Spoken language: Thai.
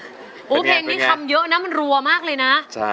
โอ้โหเพลงนี้คำเยอะนะมันรัวมากเลยนะ